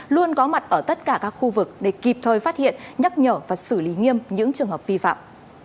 luôn có mặt ở tất cả các khu vực để kịp thời phát hiện nhắc nhở và xử lý nghiêm những trường hợp vi phạm